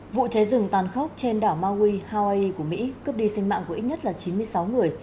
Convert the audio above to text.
vụ cháy rừng tàn khốc trên đảo maui hawaii của mỹ cướp đi sinh mạng của ít nhất là chín mươi sáu người